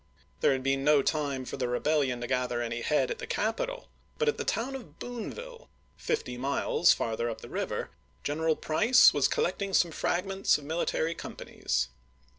There had been no time for the rebellion to gather any head at the capital ; but at the town of Boonville, fifty miles farther up the river, General Price was collecting some fragments of military companies.